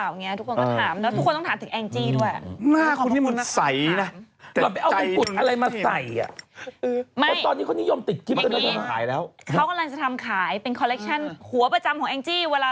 วันนี้ไปดอกกับบังกายเขาก็ถามว่ามาอ่านข่าวเราเจอคุณวัดดำคุณหนุ่มหรือเปล่า